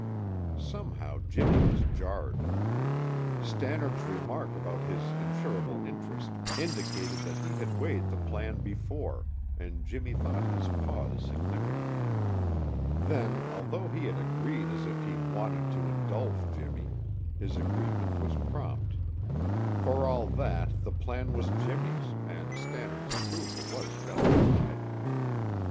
Somehow Jimmy was jarred. Stannard's remark about his insurable interest indicated that he had weighed the plan before, and Jimmy thought his pause significant. Then, although he had agreed as if he wanted to indulge Jimmy, his agreement was prompt. For all that, the plan was Jimmy's and Stannard's approval was justified.